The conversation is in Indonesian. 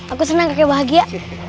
aku senang kakek bahagia